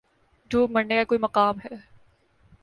دوب مرنے کا کوئی مقام ہے